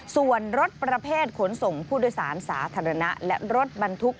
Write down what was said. ส่วนรถประเภทขนส่งผู้โดยสารสาธารณะและรถบรรทุก